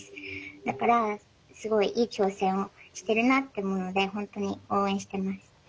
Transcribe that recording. だからすごいいい挑戦をしているなって思うので本当に応援してます。